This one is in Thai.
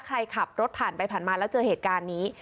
ใครขับรถผ่านไปผ่านมาแล้วเจอเหตุการณ์นี้